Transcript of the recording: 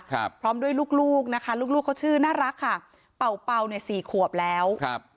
พร้อมด้วยลูกลูกนะคะลูกลูกเขาชื่อน่ารักค่ะเป่าเป่าเนี่ยสี่ขวบแล้วครับ